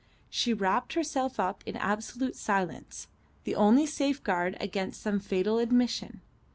She wrapped herself up in absolute silence, the only safeguard against some fatal admission.